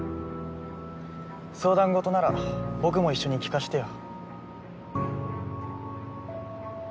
相談事なら僕も一緒に聞かしてよ